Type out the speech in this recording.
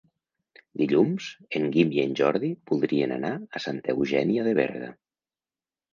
Dilluns en Guim i en Jordi voldrien anar a Santa Eugènia de Berga.